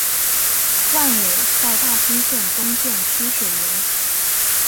万炜在大兴县东建曲水园。